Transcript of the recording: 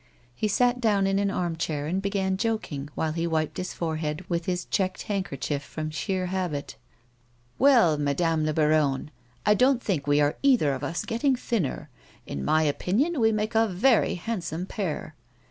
He sat down in an arm chair and began joking, while he wiped his forehead with his checked handkerchief from sheer habit. " Well, Madame la baronne, I don't think we are either of us getting thinner ; in my opinion we make a very hand some pair."